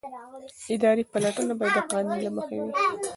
اداري پلټنه باید د قانون له مخې وي.